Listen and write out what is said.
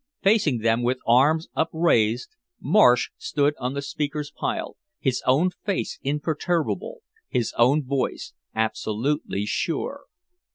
Facing them with arms upraised, Marsh stood on the speakers' pile, his own face imperturbable, his own voice absolutely sure.